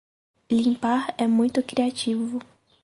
Limpar é muito criativo.